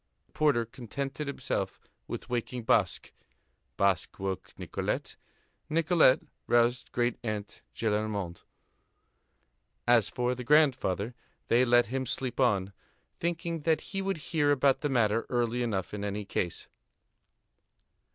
The porter contented himself with waking Basque. Basque woke Nicolette; Nicolette roused great aunt Gillenormand. As for the grandfather, they let him sleep on, thinking that he would hear about the matter early enough in any case.